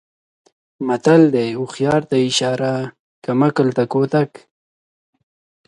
متل دی: هوښیار ته اشاره کم عقل ته کوتک.